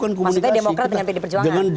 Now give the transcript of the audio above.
maksudnya demokrat dengan pd perjuangan